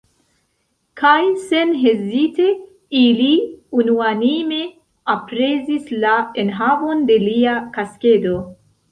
Kaj senhezite, ili unuanime aprezis la enhavon de lia kaskedo.